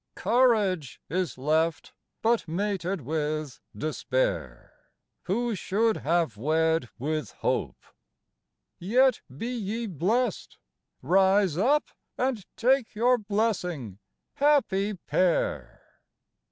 Courage is left, but mated with despair, Who should have wed with hope. Yet be ye blest Rise up and take your blessing, happy pair!